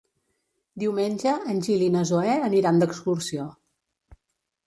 Diumenge en Gil i na Zoè aniran d'excursió.